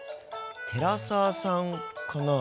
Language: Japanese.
寺澤さんかな？